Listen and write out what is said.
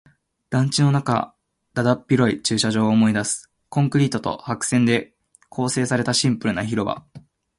団地の中のだだっ広い駐車場を思い出す。コンクリートと白線で構成されたシンプルな広場。